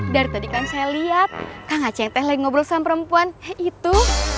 dari tadi kan saya lihat kang aceh teh lagi ngobrol sama perempuan itu